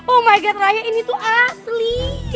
oh my god raya ini tuh asli